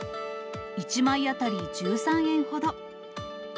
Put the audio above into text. １枚当たり１３円ほど。